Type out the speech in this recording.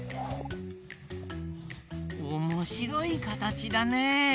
おもしろいかたちだね。